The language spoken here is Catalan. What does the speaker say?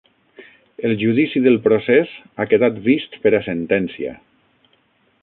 El judici del procés ha quedat vist per a sentència.